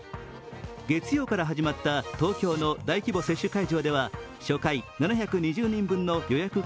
月曜から始まった東京の大規模接種会場では初回７２０人分の予約